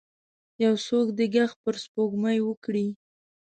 یو څوک دې ږغ پر سپوږمۍ وکړئ